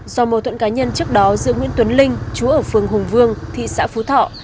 do mâu thuẫn cá nhân trước đó giữa nguyễn tuấn linh chú ở phường hùng vương thị xã phú thọ